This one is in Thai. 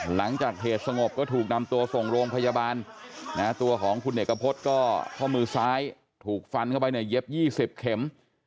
หลังจากเหตุสงบก็ถูกนำตัวส่งโรงพยาบาลตัวของคุณเอกพฤษก็ข้อมือซ้ายถูกฟันเข้าไปเนี่ยเย็บ๒๐เข็ม